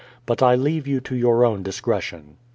But I leave you to your own discretion.